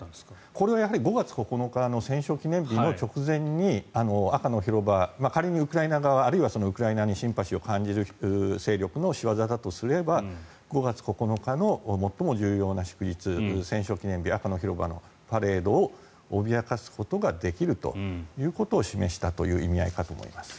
これは５月９日の戦勝記念日の直前に赤の広場仮にウクライナ側、あるいはウクライナにシンパシーを感じる勢力の仕業だとすれば５月９日の最も重要な祝日、戦勝記念日の赤の広場のパレードを脅かすことができるということを示したという意味合いかと思います。